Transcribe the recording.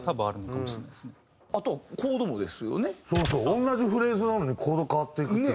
同じフレーズなのにコード変わっていくって。